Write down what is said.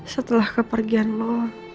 setelah kepergian lo